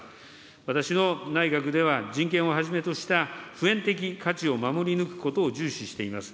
私の内閣では、人権をはじめとした、普遍的価値を守り抜くことを重視しています。